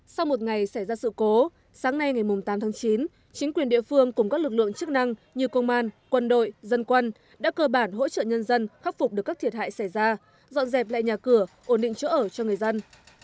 sau một ngày xảy ra sự cố sáng nay ngày tám tháng chín chính quyền địa phương cùng các lực lượng chức năng như công an quân đội dân quân đã cơ bản hỗ trợ nhân dân khắc phục được các thiệt hại xảy ra dọn dẹp lại nhà cửa ổn định chỗ ở cho người dân